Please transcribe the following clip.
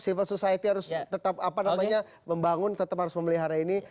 civil society harus tetap membangun tetap harus memelihara ini